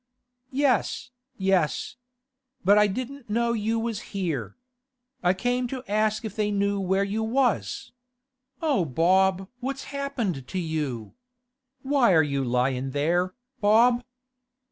'Yes, yes. But I didn't know you was here. I came to ask if they knew where you was. O Bob! what's happened to you? Why are you lyin' there, Bob?